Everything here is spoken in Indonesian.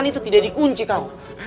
nih itu tidak dikunci kau